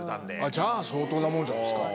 じゃあ相当なもんじゃないですか。